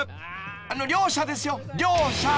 ［あの「両者」ですよ「両者」］